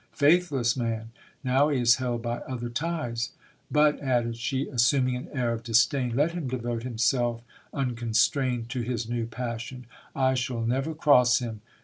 Faithless man ! Now he is held by other ties !.... But, added she, assuming an air of disdain, let him devote himself unconstrained to his new passion ; I shall never cross him.